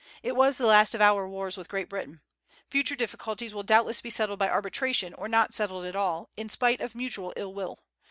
It was the last of our wars with Great Britain. Future difficulties will doubtless be settled by arbitration, or not settled at all, in spite of mutual ill will.